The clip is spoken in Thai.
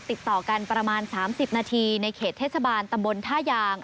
ติดต่อกันประมาณ๓๐นาทีในเขตเทศบาลตำบลท่ายาง